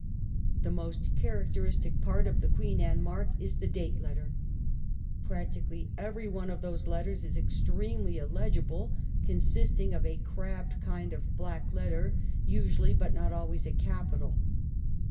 The most characteristic part of the Queen Anne mark is the date letter. Practically every one of those letters is extremely illegible, consisting of a crabbed kind of black letter, usually, but not always, a capital.